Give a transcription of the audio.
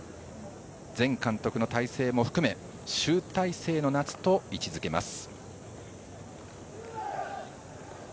前監督の体制も含め集大成の夏と位置づけます。